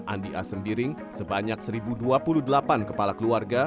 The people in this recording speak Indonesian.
andi a sembiring sebanyak satu dua puluh delapan kepala keluarga